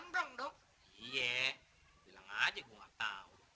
bilang aja gua ga tau